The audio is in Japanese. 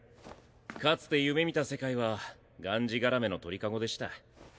かつて夢見た世界はがんじがらめの鳥カゴでした。